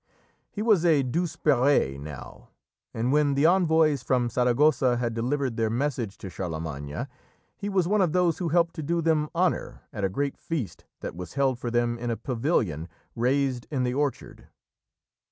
He was a Douzepere now, and when the envoys from Saragossa had delivered their message to Charlemagne, he was one of those who helped to do them honour at a great feast that was held for them in a pavilion raised in the orchard.